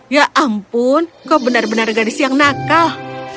ya ampun kau benar benar gadis yang nakal